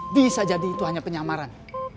bisa jadi itu hanya penyamaran